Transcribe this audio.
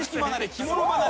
着物離れ。